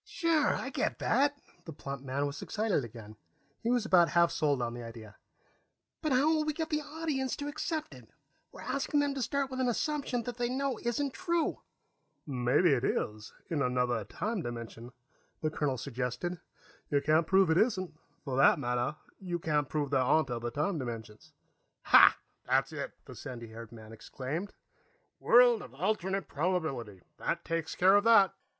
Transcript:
"Sure. I get that." The plump man was excited again; he was about half sold on the idea. "But how will we get the audience to accept it? We're asking them to start with an assumption they know isn't true." "Maybe it is, in another time dimension," the colonel suggested. "You can't prove it isn't. For that matter, you can't prove there aren't other time dimensions." "Hah, that's it!" the sandy haired man exclaimed. "World of alternate probability. That takes care of that."